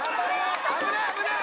危ない危ない！